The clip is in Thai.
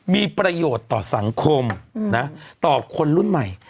มีประโยชน์ต่อสังคมนะต่อคนรุ่นใหม่